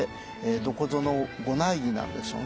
どこぞの御内儀なんでしょうね。